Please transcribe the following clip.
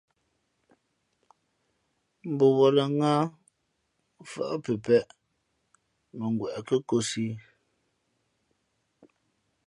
Mbαwα̌lᾱ ŋǎh, mfάʼ pepēʼ mα ngweʼ kάkōsī ī.